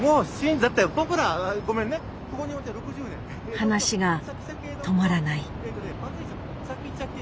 話が止まらない。